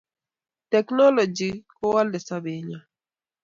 Teknoloji kowolei sobenyoo